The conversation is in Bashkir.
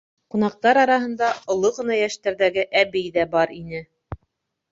Ҡунаҡтар араһында оло ғына йәштәрҙәге әбей ҙә бар ине.